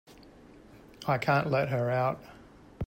I can't let her out.